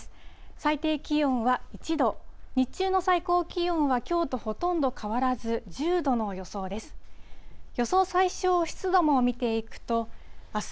最低気温は１度、日中の最高気温はきょうとほとんど変わらず、１０度の予想です。